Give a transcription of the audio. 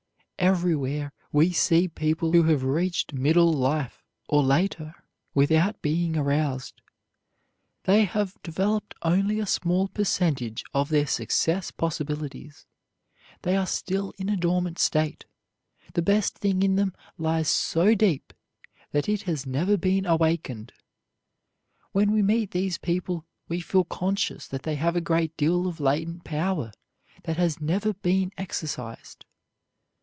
Everywhere we see people who have reached middle life or later without being aroused. They have developed only a small percentage of their success possibilities. They are still in a dormant state. The best thing in them lies so deep that it has never been awakened. When we meet these people we feel conscious that they have a great deal of latent power that has never been exercised.